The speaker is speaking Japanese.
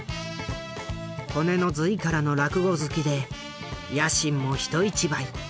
骨の髄からの落語好きで野心も人一倍。